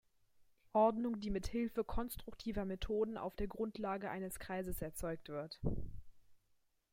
Ordnung, die mit Hilfe konstruktiver Methoden auf der Grundlage eines Kreises erzeugt wird.